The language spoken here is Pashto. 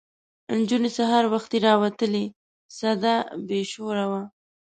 نجونې سهار وختي راوتلې سده بې شوره وه.